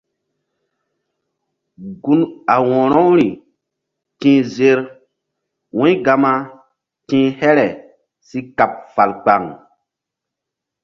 Gun a wo̧rori ti̧h zer wu̧y Gama ti̧h here si kaɓ fal kpaŋ.